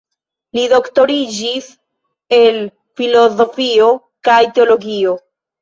Li doktoriĝis el filozofio kaj teologio.